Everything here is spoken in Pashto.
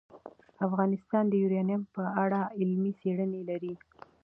افغانستان د یورانیم په اړه علمي څېړنې لري.